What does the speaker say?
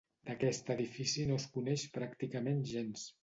D'aquest edifici no es coneix pràcticament gens.